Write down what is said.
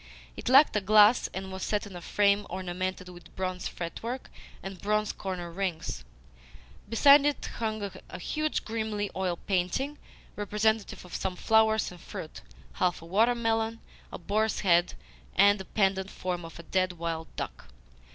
It lacked a glass, and was set in a frame ornamented with bronze fretwork and bronze corner rings. Beside it hung a huge, grimy oil painting representative of some flowers and fruit, half a water melon, a boar's head, and the pendent form of a dead wild duck.